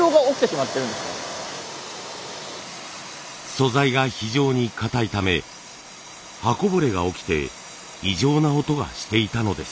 素材が非常に硬いため刃こぼれが起きて異常な音がしていたのです。